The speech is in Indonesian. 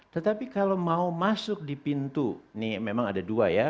tetapi kalau mau masuk di pintu ini memang ada dua ya